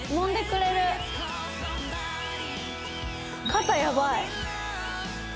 肩やばい。